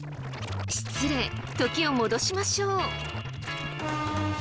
失礼時を戻しましょう。